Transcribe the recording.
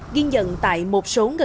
nghiên dận tại một số ngân hàng